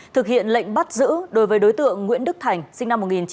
thực hiện lệnh bắt giữ đối với đối tượng nguyễn đức thành sinh năm một nghìn chín trăm tám mươi